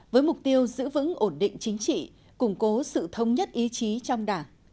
với mục tiêu giữ vững ổn định chính trị củng cố sự thống nhất ý chí trong đảng